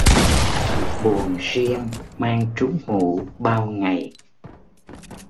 Buồn riêng mang trú ngụ bao ngày